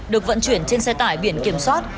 được vận chuyển trên xe tải biển kiểm soát